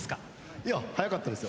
いや速かったですよ。